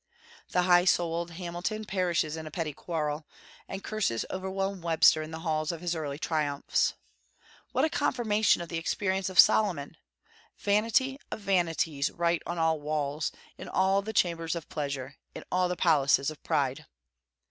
The high souled Hamilton perishes in a petty quarrel, and curses overwhelm Webster in the halls of his early triumphs. What a confirmation of the experience of Solomon! "Vanity of vanities" write on all walls, in all the chambers of pleasure, in all the palaces of pride!